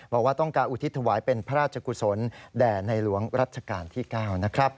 บอกว่าต้องการอุทิศถวายเป็นพระราชกุศลแด่ในหลวงรัชกาลที่๙นะครับ